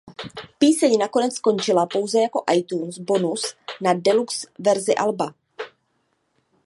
Píseň nakonec skončila pouze jako iTunes bonus na deluxe verzi alba.